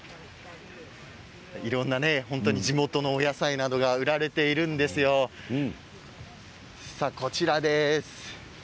地元のお野菜などが売られているんですがこちらです。